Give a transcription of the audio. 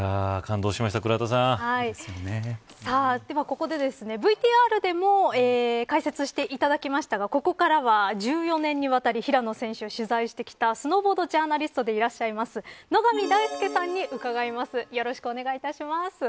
ではここでＶＴＲでも解説していただきましたがここからは、１４年にわたり平野選手を取材してきたスノーボードジャーナリストでいらっしゃいます野上大介さんに伺います。